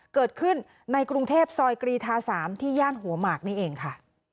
เกิดขึ้นในกรุงเทพซอยกรีธา๓ที่ย่านหัวหมากนี่เองค่ะ